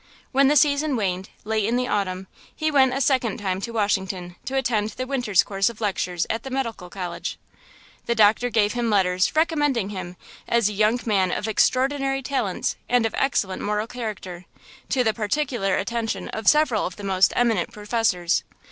When the season waned, late in the autumn, he went a second time to Washington to attend the winter's course of lectures at the Medical College. The doctor gave him letters recommending him as a young man of extraordinary talents and of excellent moral character, to the particular attention of several of the most eminent professors.